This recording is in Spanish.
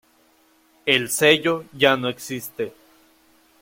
El sello ya no existe.